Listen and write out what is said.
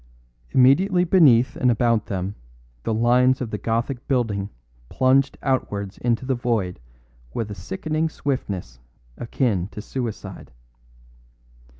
Immediately beneath and about them the lines of the Gothic building plunged outwards into the void with a sickening swiftness akin to suicide.